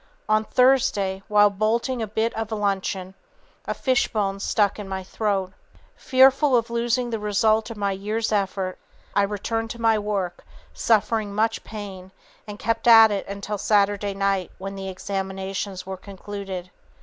On Thursday, while bolting a bit of luncheon, a fishbone stuck in my throat. Fearful of losing the result of my year's effort, I returned to my work, suffering much pain, and kept at it until Saturday night, when the examinations were concluded.